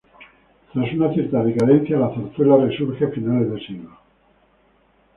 Tras una cierta decadencia, la zarzuela resurge a finales de siglo.